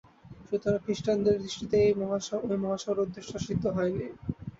সুতরাং খ্রীষ্টানদের দৃষ্টিতে ঐ মহাসভার উদ্দেশ্য সিদ্ধ হয়নি।